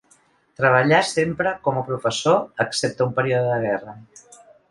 Treballà sempre com a professor excepte un període de guerra.